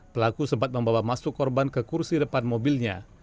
pelaku sempat membawa masuk korban ke kursi depan mobilnya